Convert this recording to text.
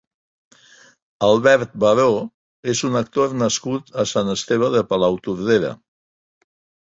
Albert Baró és un actor nascut a Sant Esteve de Palautordera.